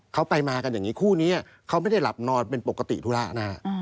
เขาไปมากันอย่างนี้คู่นี้เขาไม่ได้หลับนอนเป็นปกติธุระนะฮะ